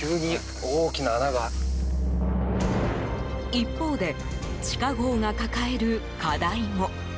一方で地下壕が抱える課題も。